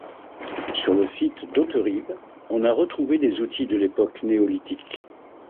Sur le site d'Auterive, on a retrouvé des outils de l'époque néolithique.